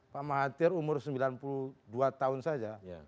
pak mahathir umur sembilan puluh dua tahun saja